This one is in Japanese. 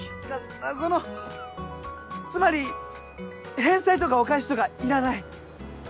そのつまり返済とかお返しとかいらない。